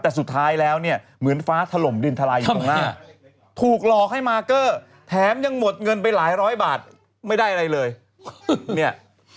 แต่สุดท้ายแล้วเนี่ยเหมือนฟ้าถล่มดินทลายอยู่ข้างหน้าถูกหลอกให้มาเกอร์แถมยังหมดเงินไปหลายร้อยบาทไม่ได้อะไรเลยเนี่ย